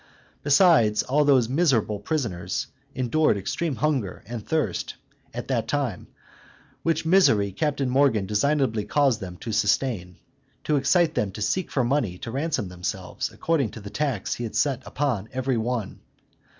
Besides, all those miserable prisoners endured extreme hunger and thirst at that time, which misery Captain Morgan designedly caused them to sustain, to excite them to seek for money to ransom themselves, according to the tax he had set upon every one.